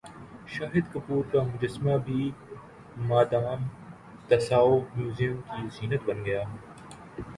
شاہد کپور کا مجسمہ بھی مادام تساو میوزم کی زینت بن گیا